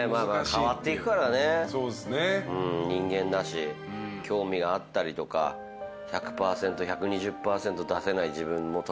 変わっていくからね人間だし興味があったりとか１００％１２０％出せない自分も時にはいたりするし。